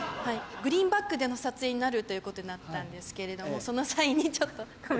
グリーンバックでの撮影になるということになったんですけどその際にちょっと。